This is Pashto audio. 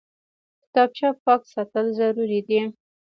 کتابچه پاک ساتل ضروري دي